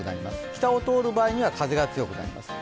北を通る場合には風が強くなります。